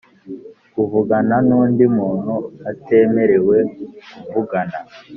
uvugana nundi muntu atemerewe kuvugana